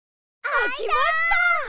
あきました！